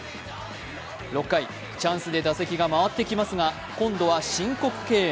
６回、チャンスで打席が回ってきますが今度は申告敬遠。